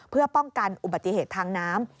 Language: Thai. เพื่อป้องกันอุบัติเหตุทางน้ำ